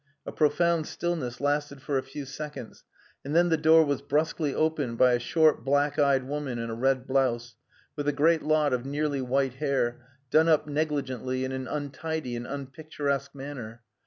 A profound stillness lasted for a few seconds, and then the door was brusquely opened by a short, black eyed woman in a red blouse, with a great lot of nearly white hair, done up negligently in an untidy and unpicturesque manner.